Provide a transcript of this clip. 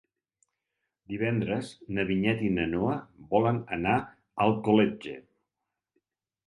Divendres na Vinyet i na Noa volen anar a Alcoletge.